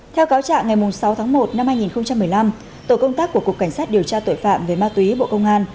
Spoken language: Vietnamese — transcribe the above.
theo cáo trạng ngày sáu tháng một năm hai nghìn một mươi năm tổ công tác của cục cảnh sát điều tra tội phạm về ma túy bộ công an